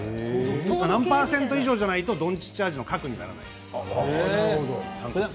何％以上じゃないとどんちっちアジにならない。